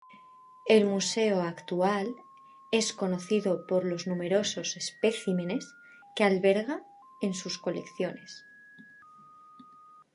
El museo actual es conocido por los numerosos especímenes que alberga en sus colecciones.